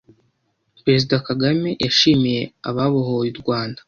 Perezida Kagame yashimiye ababohoye u Rwanda